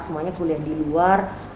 semuanya kuliah di luar